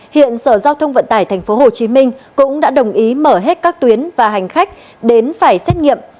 hiện sở giao thông vận tải tp hcm cũng đã đồng ý mở hết các tuyến và hành khách đến phải xét nghiệm